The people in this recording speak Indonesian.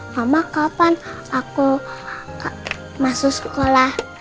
mama kapan aku masuk sekolah